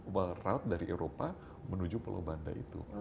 berraut dari eropa menuju pulau banda itu